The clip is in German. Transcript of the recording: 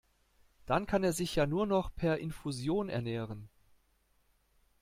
Dann kann er sich ja nur noch per Infusion ernähren.